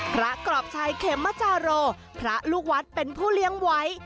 กรอบชัยเขมจาโรพระลูกวัดเป็นผู้เลี้ยงไว้